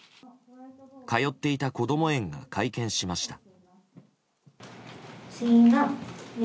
通っていたこども園が会見しました。